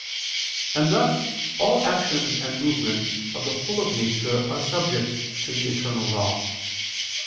And thus all actions and movements of the whole of nature are subject to the eternal law.